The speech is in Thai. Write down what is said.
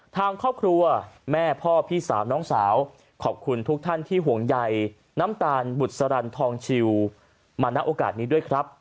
ทางครอบครัวแม่พ่อพี่สาวน้องสาวขอบคุณทุกท่านที่ห่วงใยน้ำตาลบุษรันทองชิวมาณโอกาสนี้ด้วยครับ